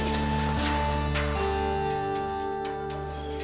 sedarin aja yang terbaik